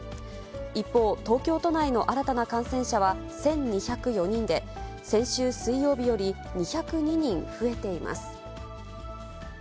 一方、東京都内の新たな感染者は１２０４人で、先週水曜日より２０２人増えています。